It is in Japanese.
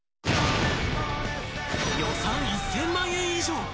予算１０００万円以上！